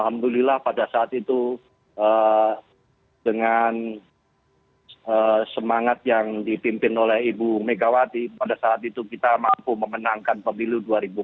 alhamdulillah pada saat itu dengan semangat yang dipimpin oleh ibu megawati pada saat itu kita mampu memenangkan pemilu dua ribu dua puluh